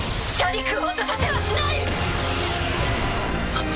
はっ！